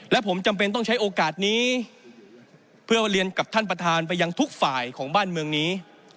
และผมจำเป็นต้องใช้โอกาสนี้เพื่อเรียนกับท่านประธานไปยังทุกฝ่ายของบ้านเมืองนี้